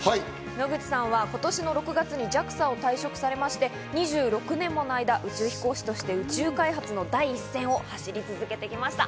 野口さんは今年の６月にＪＡＸＡを退職されまして、２６年もの間、宇宙飛行士として宇宙開発の第一線を走り続けてきました。